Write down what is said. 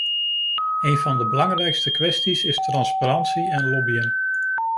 Een van de belangrijkste kwesties is transparantie en lobbyen.